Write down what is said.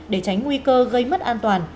để tránh nguy cơ gây mất an toàn